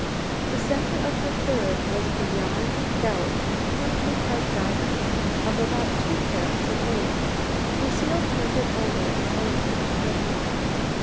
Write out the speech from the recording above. The center of the third was beyond doubt a crudely cut diamond of about two carats weight. Lucile turned it over and over in her palm.